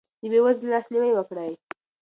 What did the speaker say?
د بې وزلو لاسنیوی وکړئ.